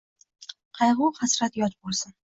Qayg’u-hasrat yot bo’lsin.